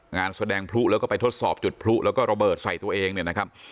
งานแสดงพลุแล้วก็ไปทดสอบจุดพลุแล้วก็ระเบิดใส่ตัวเองเนี่ยนะครับ